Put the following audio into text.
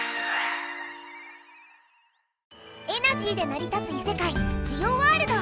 エナジーでなり立ついせかいジオワールド。